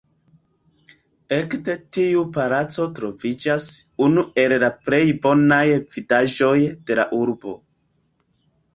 Ekde tiu palaco troviĝas unu el la plej bonaj vidaĵoj de la urbo.